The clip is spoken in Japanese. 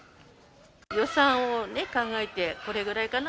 予算をね、考えて、これぐらいかな？